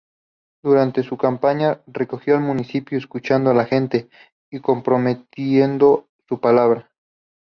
Durante su campaña, recorrió el municipio escuchando a la gente y comprometiendo su palabra.